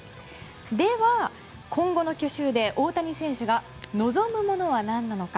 では、今後の去就で大谷選手が望むものは何なのか。